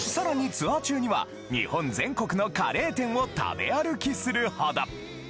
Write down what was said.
ツアー中には日本全国のカレー店を食べ歩きするほど！